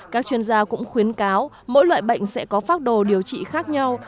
các chuyên gia cũng khuyến cáo mỗi loại bệnh sẽ có phác đồ điều trị khác nhau